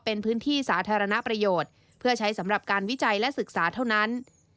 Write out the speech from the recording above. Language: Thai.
เป็นพื้นที่สาธารณประโยชน์เพื่อใช้สำหรับการวิจัยและศึกษาเท่านั้น